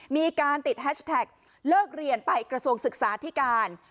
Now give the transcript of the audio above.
มีการติดแฮชแท็กเลิกเรียนไปกระทรวงศึกษาที่การ